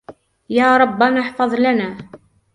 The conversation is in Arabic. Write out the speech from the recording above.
يــــا ربَّنــــــا احفــــــظ لنــــــــا